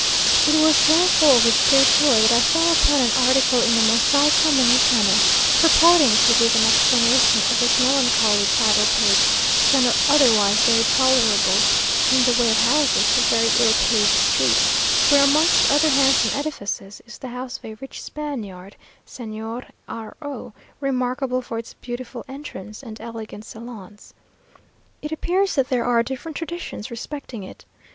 It was therefore with great joy that I fell upon an article in the "Mosaico Mejicano," purporting to give an explanation of this melancholy title page to an otherwise very tolerable (in the way of houses) but very ill paved street, where, amongst other handsome edifices, is the house of a rich Spaniard (Señor R o), remarkable for its beautiful entrance and elegant salons. It appears that there are different traditions respecting it.